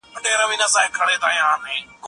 په لاس لیکلنه د ځمکي پر سر د انسان د خلافت نښه ده.